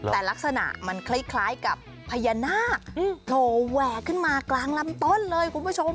แต่ลักษณะมันคล้ายกับพญานาคโผล่แหวกขึ้นมากลางลำต้นเลยคุณผู้ชม